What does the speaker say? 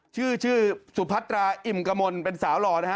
สุภัตราชื่อสุภัตราอิ่มกะมนเป็นสาวหล่อนะฮะ